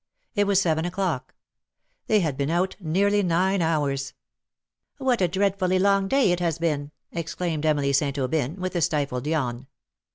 It was seven o'clock. They had been out nearly nine hours. ^' What a dreadfully long day it has been !'' ex claimed Emily St. Aubyn, with a stifled yawn.